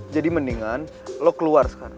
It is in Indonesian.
jadi mendingan lo keluar sekarang